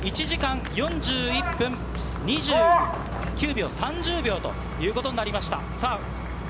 １時間４１分２９秒３０秒となりました。